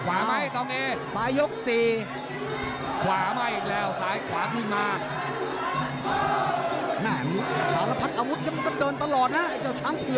อ้าวพลิกเลี่ยงโอ้โห